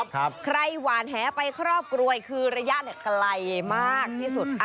ใครหวานแหไปครอบครัวคือระยะไกลมากที่สุด